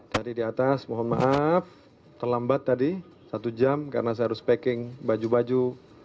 tadi di atas mohon maaf terlambat tadi satu jam karena saya harus packing baju baju